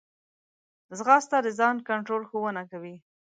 ځغاسته د ځان کنټرول ښوونه کوي